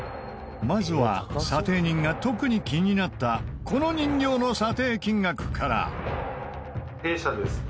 まずは査定人が特に気になったこの人形の査定金額から。